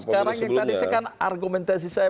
sekarang tadi kan argumentasi saya